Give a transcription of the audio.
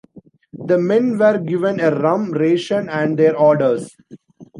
The men were given a rum ration and their orders.